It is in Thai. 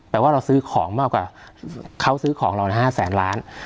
ว่าเราซื้อของมากกว่าเขาซื้อของเรา๕แสนล้าน